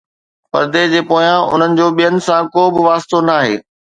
پردي جي پويان، انهن جو ٻين سان ڪو به واسطو ناهي